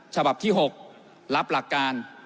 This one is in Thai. ฉบับที่๖รับหลักการ